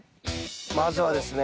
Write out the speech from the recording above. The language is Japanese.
まずはですね